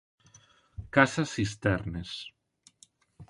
Casa Sisternes.